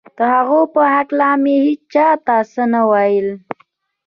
د هغو په هکله مې هېچا ته څه نه ویل